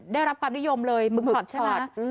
ได้รับความนิยมเลยมึงถอดชอด